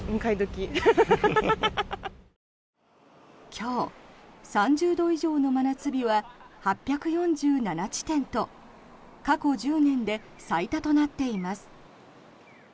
今日、３０度以上の真夏日は８４７地点と過去１０年で最多となっています。